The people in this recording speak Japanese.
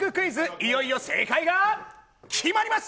いよいよ正解が決まります！